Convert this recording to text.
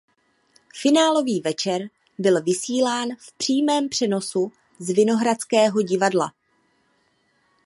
Finálový večer byl vysílán v přímém přenosu z Vinohradského divadla.